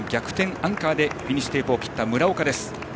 アンカーでフィニッシュテープを切った村岡。